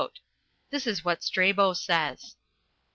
This is what Strabo says.